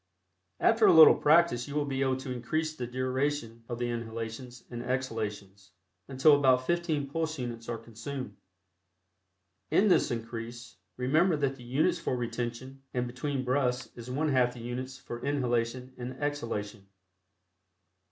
After a little practice you will be able to increase the duration of the inhalations and exhalations, until about fifteen pulse units are consumed. In this increase, remember that the units for retention and between breaths is one half the units for inhalation and exhalation.